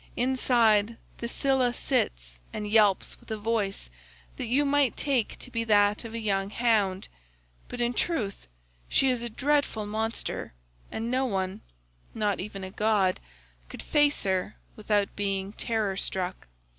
Inside it Scylla sits and yelps with a voice that you might take to be that of a young hound, but in truth she is a dreadful monster and no one—not even a god—could face her without being terror struck.